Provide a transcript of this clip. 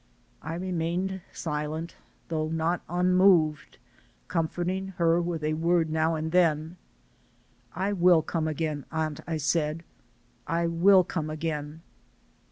I remained silent, though not un moved, comforting her with a word now and then. "I will come again, aunt," I said. "I will come again."